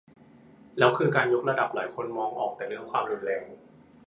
แล้วคือการยกระดับหลายคนมองออกแต่เรื่องความรุนแรง